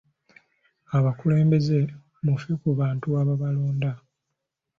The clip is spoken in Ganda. Abakulembeze mufe ku bantu ababalonda.